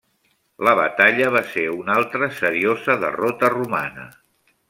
La batalla va ser una altra seriosa derrota romana.